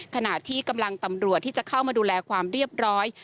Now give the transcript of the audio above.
ขณะที่กำลังตำรวจที่จะเข้ามาดูแลความเรียบร้อย